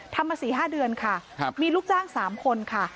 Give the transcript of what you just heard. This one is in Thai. ทำมาสี่ห้าเดือนค่ะครับมีลูกจ้างสามคนค่ะ